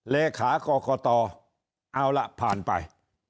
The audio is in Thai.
และขาก่อก่อต่อเอาล่ะผ่านไป